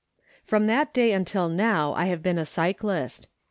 From that day until now I have been a cyclist.